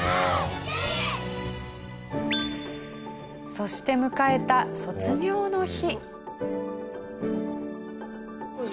そして迎えた卒業の日。